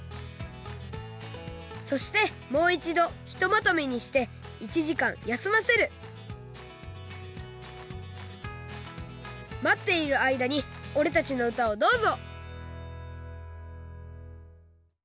そしてもういちどひとまとめにして１じかんやすませるまっているあいだにおれたちのうたをどうぞ！